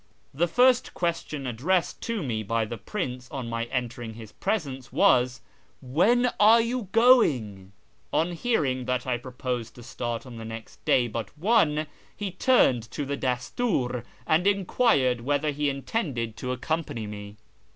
The first question addressed to me by the prince on my entering his presence was, " When are you going ?" On hear ing that I proposed to start on the next day but one, he turned to the Dastur and enquired whether he intended to accompany me.